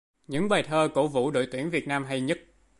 Những bài thơ cổ vũ đội tuyển Việt Nam hay nhất